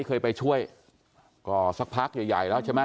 เคยไปช่วยก็สักพักใหญ่ใหญ่แล้วใช่ไหม